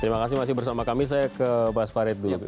terima kasih masih bersama kami saya ke mas farid dulu